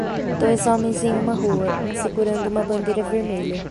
Dois homens em uma rua? um segurando uma bandeira vermelha.